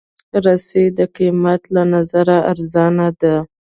رسۍ د قېمت له نظره ارزانه ده.